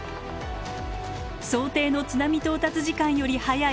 想定の津波到達時間より早い